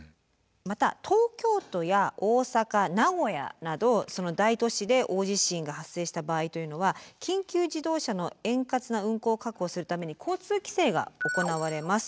また東京都や大阪名古屋など大都市で大地震が発生した場合というのは緊急自動車の円滑な運行を確保するために交通規制が行われます。